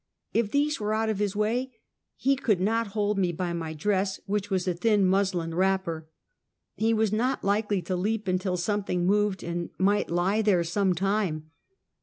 If these were out of his way, he could not hold me by my dress which was a thin mus lin wrapper. He was not likely to leap until some thing moved, and might lie there sometime.